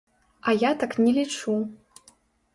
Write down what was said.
А я так не лічу.